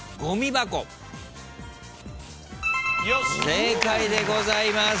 正解でございます。